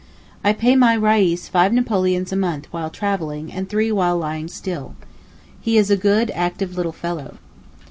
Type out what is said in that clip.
I pay my Reis five napoleons a month while travelling and three while lying still. He is a good, active little fellow.